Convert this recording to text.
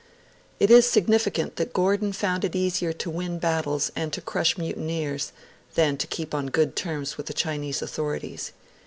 It is significant that Gordon found it easier to win battles and to crush mutineers than to keep on good terms with the Chinese authorities.